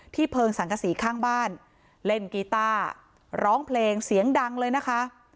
เพลิงสังกษีข้างบ้านเล่นกีต้าร้องเพลงเสียงดังเลยนะคะ